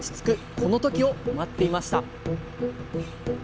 この時を待っていました。